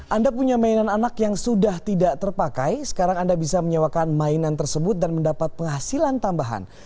anda punya mainan anak yang sudah tidak terpakai sekarang anda bisa menyewakan mainan tersebut dan mendapat penghasilan tambahan